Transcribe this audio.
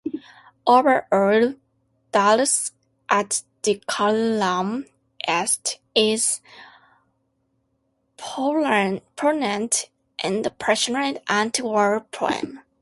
Overall, "Dulce et Decorum Est" is a poignant and passionate anti-war poem.